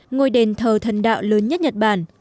ngôi đền thờ thần đạo lớn nhất nhật bản